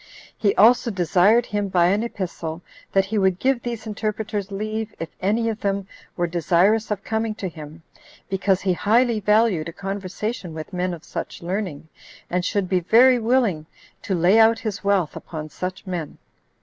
He also desired him, by an epistle, that he would give these interpreters leave, if any of them were desirous of coming to him, because he highly valued a conversation with men of such learning, and should be very willing to lay out his wealth upon such men.